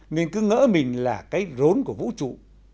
nên cứ ngỡ mình là cái rốn của vũ trụ